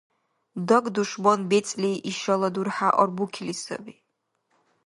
Даг душман бецӀли ишала дурхӀя арбукили саби.